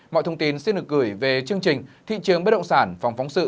mọi thông tin xin được gửi về chương trình thị trường bất động sản phòng phóng sự